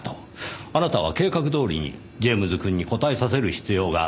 あなたは計画どおりにジェームズくんに答えさせる必要があった。